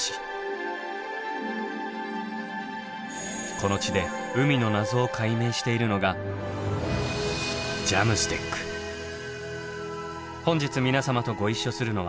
この地で海の謎を解明しているのが本日皆様とご一緒するのは。